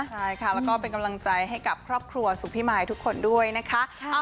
ใช่ค่ะแล้วก็เป็นกำลังใจให้กับครอบครัวสุขพิมายทุกคนด้วยนะคะ